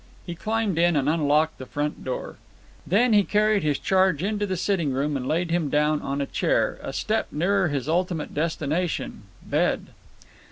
He climbed in and unlocked the front door. Then he carried his young charge into the sitting room and laid him down on a chair, a step nearer his ultimate destination—bed.